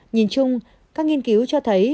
nhìn chung các nghiên cứu cho thấy